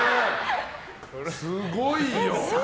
すごいよ。